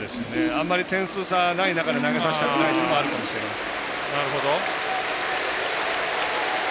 あんまり点数差ないところで投げさせたくないのもあるかもしれません。